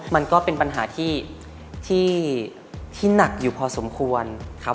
มันก็เป็นปัญหาที่หนักอยู่พอสมควรครับ